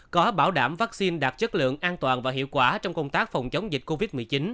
có bảo đảm vaccine đạt chất lượng an toàn và hiệu quả trong công tác phòng chống dịch covid một mươi chín